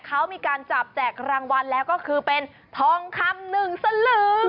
เขามีการจับแจกรางวัลแล้วก็คือเป็นทองคำหนึ่งสลึง